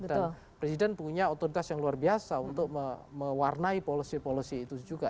dan presiden punya otoritas yang luar biasa untuk mewarnai policy policy itu juga